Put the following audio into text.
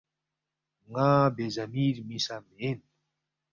ن٘ا بے ضمیر می سہ مین